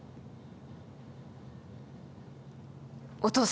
お父様